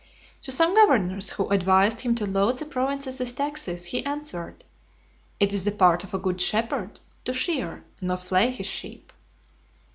To some governors, who advised him to load the provinces with taxes, he answered, "It is the part of a good shepherd to shear, not flay, his sheep."